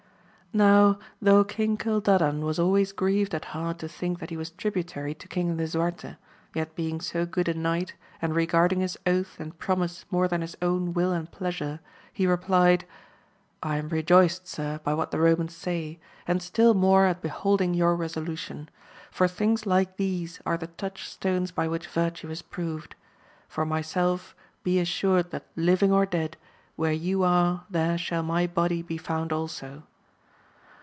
Now, though King Cildadan was always grieved i at heart to think that he was tributary to King Lisuar te, yet being AMADIS OF GAUL. 201 so good a knight, and regarding his oath and promise more than his own will and pleasure, he replied, I am rejoiced, sir, by what the Romans say, and still more at beholding your resolution; for things like these, are the touchstones by which virtue is proved. For myself, be assured, that living or dead, where you are, there shall my body be found also.